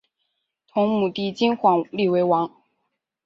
同母弟金晃立为王。